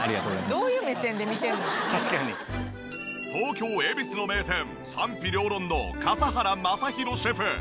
東京恵比寿の名店賛否両論の笠原将弘シェフ。